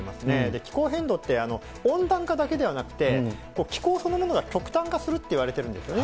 気候変動って、温暖化だけではなくて、気候そのものが極端化するっていわれてるんですよね。